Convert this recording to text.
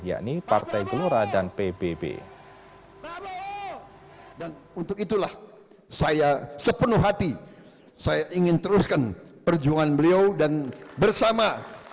yakni partai gerindra